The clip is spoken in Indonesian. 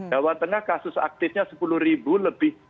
nah waktu itu kasus aktifnya sepuluh ribu lebih